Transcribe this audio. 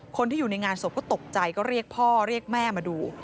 คนที่อยู่ในงานศพก็ตกใจก็เรียกพ่อเรียกแม่มาดู